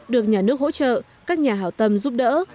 được nhà nước hỗ trợ các nhà hảo tâm giúp đỡ